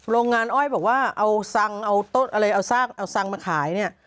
โรงงานอ้อยบอกว่าเอาซังเอาต้นอะไรเอาซากเอาซังมาขายเนี่ย